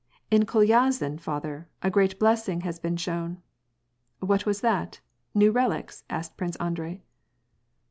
" In Kolyazin, father, a great blessing has been shown." " What was that ? New relics ?" asked Prince Andrei.